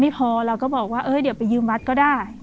พอเราก็บอกว่าเออเดี๋ยวไปยืมวัดก็ได้